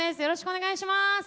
よろしくお願いします。